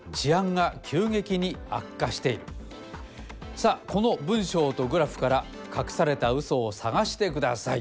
さあこの文章とグラフからかくされたウソを探してください。